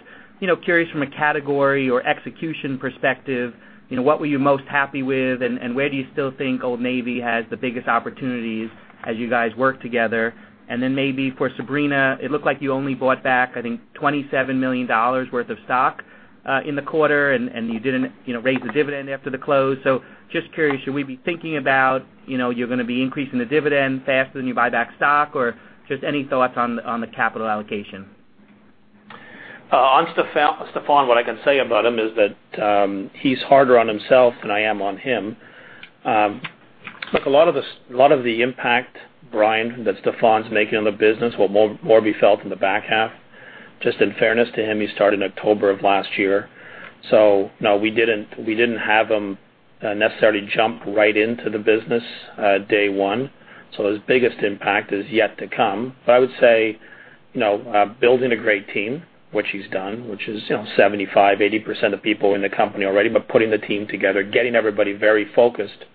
curious from a category or execution perspective, what were you most happy with, and where do you still think Old Navy has the biggest opportunities as you guys work together? Then maybe for Sabrina, it looked like you only bought back, I think, $27 million worth of stock in the quarter, and you didn't raise the dividend after the close. Just curious, should we be thinking about you're gonna be increasing the dividend faster than you buy back stock, or just any thoughts on the capital allocation. On Stefan, what I can say about him is that he's harder on himself than I am on him. Look, a lot of the impact, Brian, that Stefan's making on the business will more be felt in the back half. Just in fairness to him, he started in October of last year, now we didn't have him necessarily jump right into the business day one. His biggest impact is yet to come. I would say, building a great team, which he's done, which is 75%, 80% of people in the company already, putting the team together, getting everybody very focused,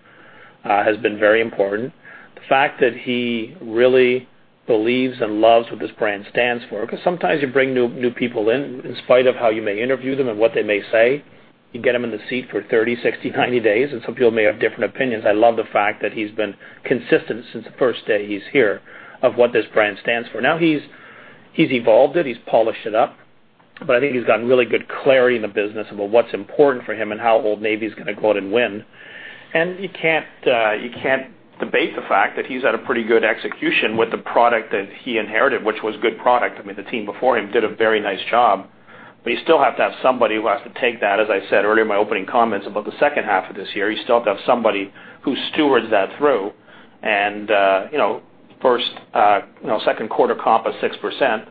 has been very important. The fact that he really believes and loves what this brand stands for, because sometimes you bring new people in spite of how you may interview them and what they may say, you get them in the seat for 30, 60, 90 days, and some people may have different opinions. I love the fact that he's been consistent since the first day he's here of what this brand stands for. He's evolved it. He's polished it up. I think he's gotten really good clarity in the business about what's important for him and how Old Navy's gonna go out and win. You can't debate the fact that he's had a pretty good execution with the product that he inherited, which was a good product. I mean, the team before him did a very nice job. You still have to have somebody who has to take that, as I said earlier in my opening comments about the second half of this year. You still have to have somebody who stewards that through. Second quarter comp of 6%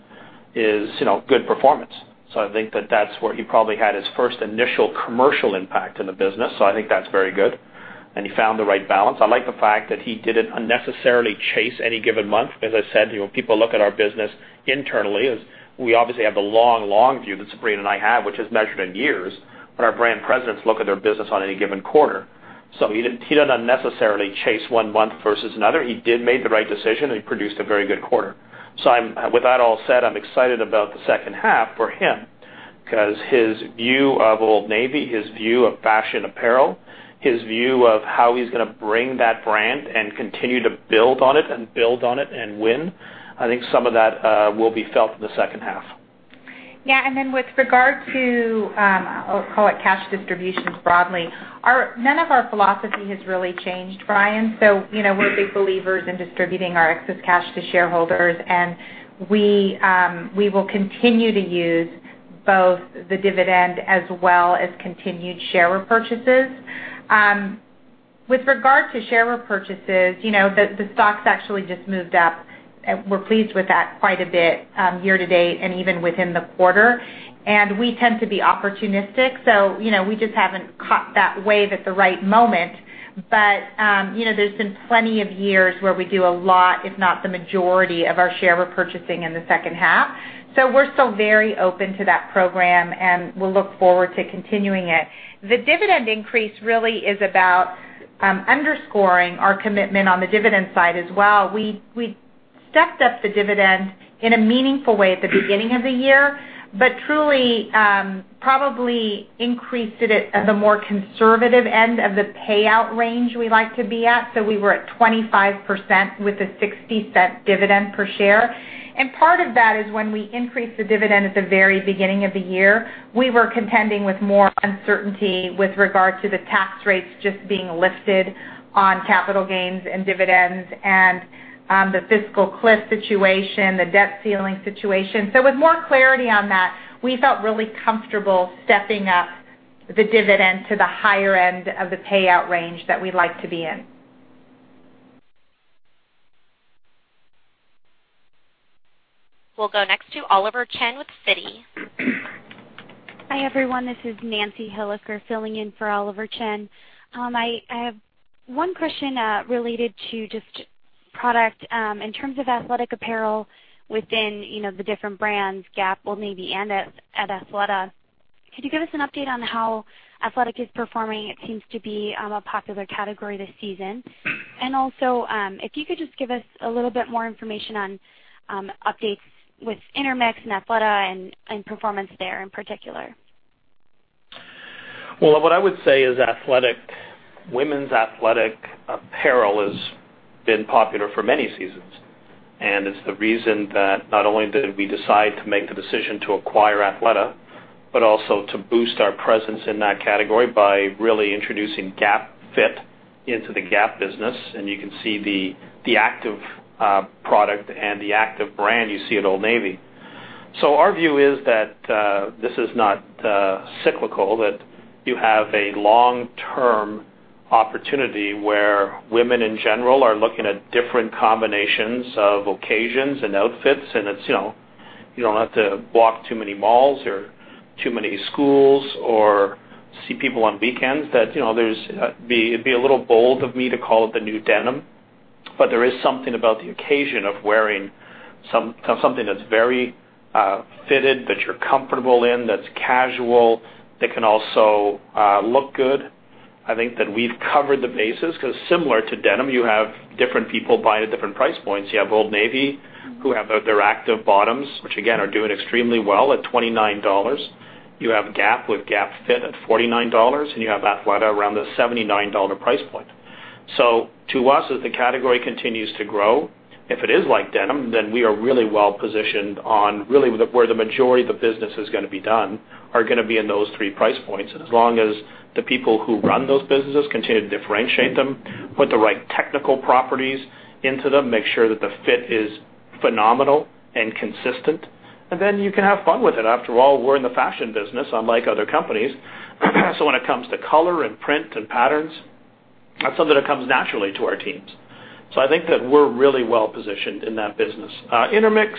is good performance. I think that that's where he probably had his first initial commercial impact in the business. I think that's very good. He found the right balance. I like the fact that he didn't unnecessarily chase any given month. As I said, people look at our business internally as we obviously have the long, long view that Sabrina and I have, which is measured in years. Our brand presidents look at their business on any given quarter. He didn't unnecessarily chase one month versus another. He did make the right decision, and he produced a very good quarter. With that all said, I'm excited about the second half for him because his view of Old Navy, his view of fashion apparel, his view of how he's gonna bring that brand and continue to build on it and build on it and win, I think some of that will be felt in the second half. Yeah. Then with regard to, I'll call it cash distributions broadly, none of our philosophy has really changed, Brian. We're big believers in distributing our excess cash to shareholders, and we will continue to use both the dividend as well as continued share repurchases. With regard to share repurchases, the stock's actually just moved up. We're pleased with that quite a bit year to date and even within the quarter. We tend to be opportunistic, so we just haven't caught that wave at the right moment. There's been plenty of years where we do a lot, if not the majority of our share repurchasing in the second half. We're still very open to that program, and we'll look forward to continuing it. The dividend increase really is about underscoring our commitment on the dividend side as well. Stepped up the dividend in a meaningful way at the beginning of the year, but truly probably increased it at the more conservative end of the payout range we like to be at. We were at 25% with a $0.60 dividend per share. Part of that is when we increased the dividend at the very beginning of the year, we were contending with more uncertainty with regard to the tax rates just being lifted on capital gains and dividends and the fiscal cliff situation, the debt ceiling situation. With more clarity on that, we felt really comfortable stepping up the dividend to the higher end of the payout range that we'd like to be in. We'll go next to Oliver Chen with Citi. Hi, everyone, this is Nancy Hilliker filling in for Oliver Chen. I have one question related to just product. In terms of athletic apparel within the different brands, Gap, Old Navy, and at Athleta. Could you give us an update on how athletic is performing? It seems to be a popular category this season. Also, if you could just give us a little bit more information on updates with Intermix and Athleta and performance there in particular. Well, what I would say is women's athletic apparel has been popular for many seasons, and it's the reason that not only did we decide to make the decision to acquire Athleta, but also to boost our presence in that category by really introducing GapFit into the Gap business. You can see the active product and the active brand you see at Old Navy. Our view is that this is not cyclical, that you have a long-term opportunity where women in general are looking at different combinations of occasions and outfits, and you don't have to walk too many malls or too many schools or see people on weekends. It'd be a little bold of me to call it the new denim, but there is something about the occasion of wearing something that's very fitted, that you're comfortable in, that's casual, that can also look good. I think that we've covered the bases because similar to denim, you have different people buying at different price points. You have Old Navy, who have their active bottoms, which again are doing extremely well at $29. You have Gap with GapFit at $49, and you have Athleta around the $79 price point. To us, as the category continues to grow, if it is like denim, then we are really well-positioned on really where the majority of the business is going to be done are going to be in those three price points. As long as the people who run those businesses continue to differentiate them, put the right technical properties into them, make sure that the fit is phenomenal and consistent, and then you can have fun with it. After all, we're in the fashion business, unlike other companies. When it comes to color and print and patterns, that's something that comes naturally to our teams. I think that we're really well-positioned in that business. Intermix,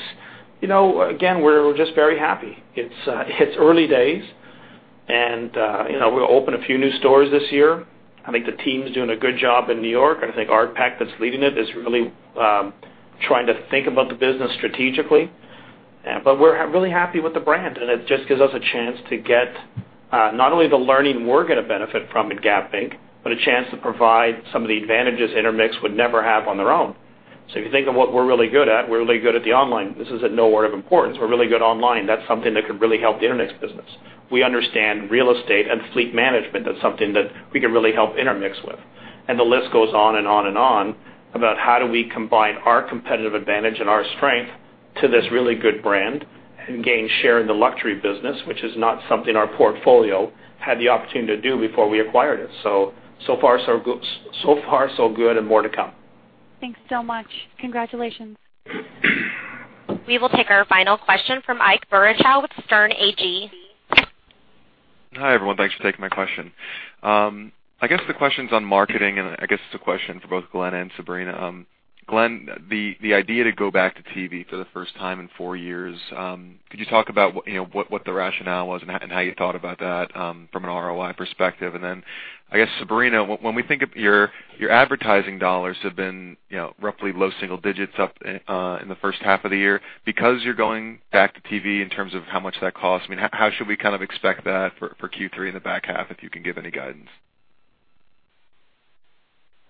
again, we're just very happy. It's early days, and we'll open a few new stores this year. I think the team's doing a good job in New York, and I think Art Peck that's leading it is really trying to think about the business strategically. We're really happy with the brand, and it just gives us a chance to get not only the learning we're going to benefit from at Gap Inc., but a chance to provide some of the advantages Intermix would never have on their own. If you think of what we're really good at, we're really good at the online. This is no order of importance. We're really good online. That's something that could really help the Intermix business. We understand real estate and fleet management. That's something that we can really help Intermix with. The list goes on and on about how do we combine our competitive advantage and our strength to this really good brand and gain share in the luxury business, which is not something our portfolio had the opportunity to do before we acquired it. So far so good and more to come. Thanks so much. Congratulations. We will take our final question from Ike Boruchow with Sterne Agee. Hi, everyone. Thanks for taking my question. I guess the question's on marketing. I guess it's a question for both Glenn and Sabrina. Glenn, the idea to go back to TV for the first time in 4 years, could you talk about what the rationale was and how you thought about that from an ROI perspective? Then, I guess, Sabrina, when we think of your advertising dollars have been roughly low single digits up in the first half of the year. You're going back to TV in terms of how much that costs, how should we kind of expect that for Q3 in the back half, if you can give any guidance?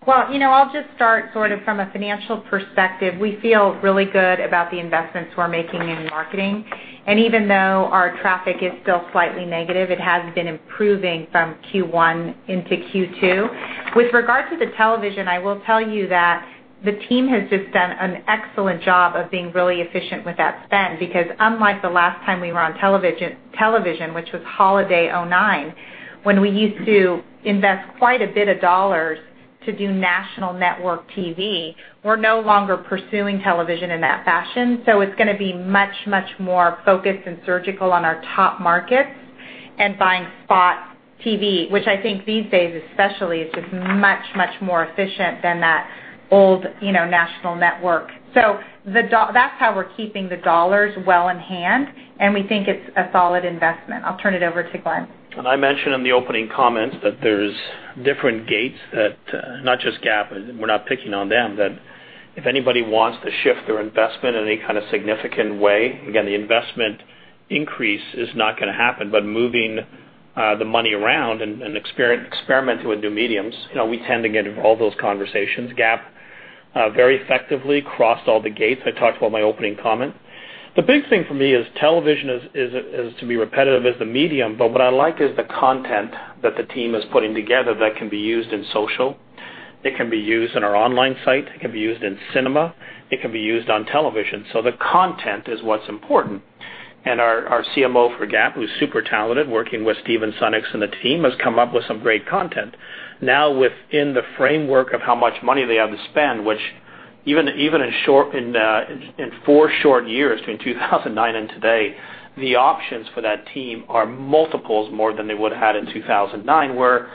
Well, I'll just start from a financial perspective. We feel really good about the investments we're making in marketing. Even though our traffic is still slightly negative, it has been improving from Q1 into Q2. With regard to the television, I will tell you that the team has just done an excellent job of being really efficient with that spend, because unlike the last time we were on television, which was holiday 2009, when we used to invest quite a bit of dollars to do national network TV, we're no longer pursuing television in that fashion. It's going to be much, much more focused and surgical on our top markets and buying spot TV, which I think these days especially, is just much, much more efficient than that old national network. That's how we're keeping the dollars well in hand, and we think it's a solid investment. I'll turn it over to Glenn. I mentioned in the opening comments that there's different gates at not just Gap, we're not picking on them, that if anybody wants to shift their investment in any kind of significant way, again, the investment increase is not going to happen. Moving the money around and experiment with new mediums. We tend to get involved those conversations. Gap, very effectively crossed all the gates. I talked about my opening comment. The big thing for me is television is to be repetitive as the medium, but what I like is the content that the team is putting together that can be used in social, it can be used in our online site, it can be used in cinema, it can be used on television. The content is what's important. Our CMO for Gap, who's super talented, working with Stephen Sunnucks, and the team has come up with some great content. Within the framework of how much money they have to spend, which even in four short years, between 2009 and today, the options for that team are multiples more than they would've had in 2009, where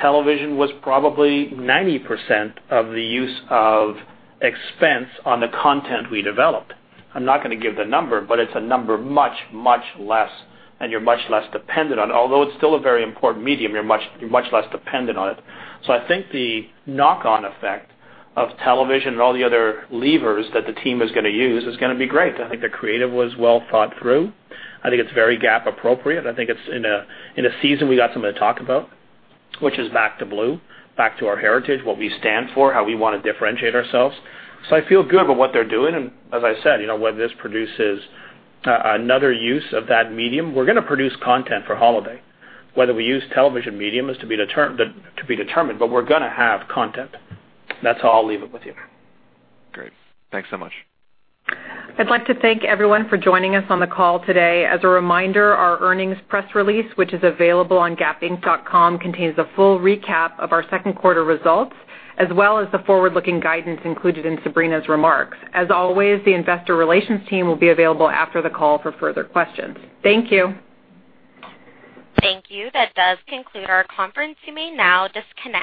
television was probably 90% of the use of expense on the content we developed. I'm not going to give the number, but it's a number much, much less. Although it's still a very important medium, you're much less dependent on it. I think the knock-on effect of television and all the other levers that the team is going to use is going to be great. I think the creative was well thought through. I think it's very Gap appropriate. I think it's in a season we got something to talk about, which is Back to Blue, back to our heritage, what we stand for, how we want to differentiate ourselves. I feel good about what they're doing. As I said, whether this produces another use of that medium, we're going to produce content for holiday. Whether we use television medium is to be determined, but we're going to have content. That's how I'll leave it with you. Great. Thanks so much. I'd like to thank everyone for joining us on the call today. As a reminder, our earnings press release, which is available on gapinc.com, contains the full recap of our second quarter results, as well as the forward-looking guidance included in Sabrina's remarks. As always, the investor relations team will be available after the call for further questions. Thank you. Thank you. That does conclude our conference. You may now disconnect.